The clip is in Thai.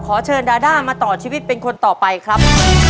ขอเชิญดาด้ามาต่อชีวิตเป็นคนต่อไปครับ